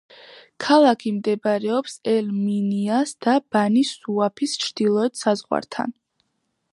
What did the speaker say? ქალაქი მდებარეობს ელ-მინიას და ბანი-სუაფის ჩრდილოეთ საზღვართან.